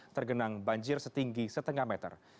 tergenang banjir setinggi setengah meter